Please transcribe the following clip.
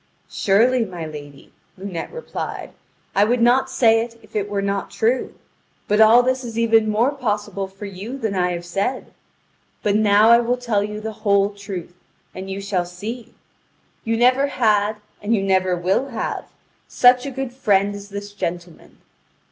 "Surely, my lady," Lunete replied, "I would not say it if it were not true. But all this is even more possible for you than I have said: but now I will tell you the whole truth, and you shall see: you never had and you never will have such a good friend as this gentleman.